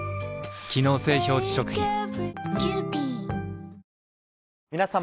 機能性表示食品皆様。